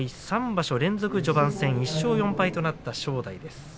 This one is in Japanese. ３場所連続で序盤戦１勝４敗となった正代です。